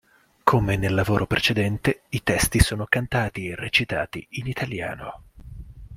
Come nel lavoro precedente, i testi sono cantati e recitati in italiano.